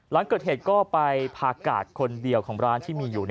หลังเกิดเหตุก็ไปพากาดคนเดียวของร้านที่มีอยู่